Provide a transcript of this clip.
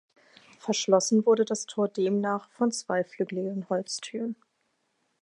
Verschlossen wurde das Tor demnach von zweiflügligen Holztüren.